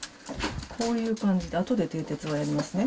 こういう感じで、あとでてい鉄はやりますね。